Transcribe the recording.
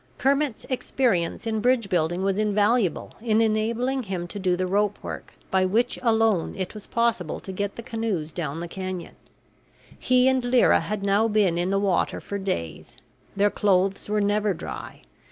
Kermit's experience in bridge building was invaluable in enabling him to do the rope work by which alone it was possible to get the canoes down the canyon. He and Lyra had now been in the water for days. Their clothes were never dry.